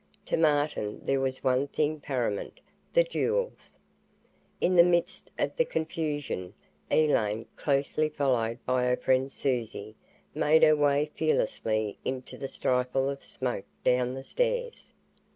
To Martin there was one thing paramount the jewels. In the midst of the confusion, Elaine, closely followed by her friend Susie, made her way fearlessly into the stifle of smoke down the stairs.